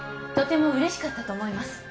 とても嬉しかったと思います